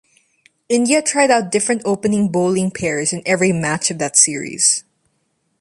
India tried out different opening bowling pairs in every match of that series.